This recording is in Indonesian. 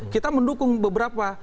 kita mendukung beberapa